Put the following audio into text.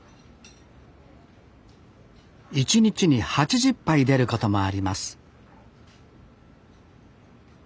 １日に８０杯出ることもあります